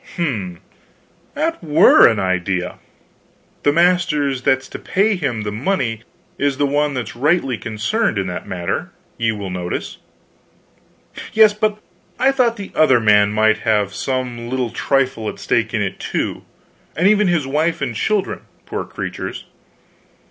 "Hm! That were an idea! The master that's to pay him the money is the one that's rightly concerned in that matter, ye will notice." "Yes but I thought the other man might have some little trifle at stake in it, too; and even his wife and children, poor creatures.